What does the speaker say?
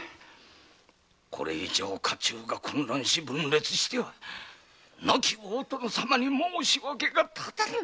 これ以上家中が混乱し分裂しては・亡き大殿様に申し訳が立たぬ。